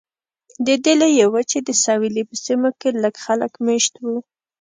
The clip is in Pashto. د دې لویې وچې په سویلي سیمو کې لږ خلک مېشت وو.